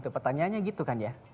pertanyaannya gitu kan ya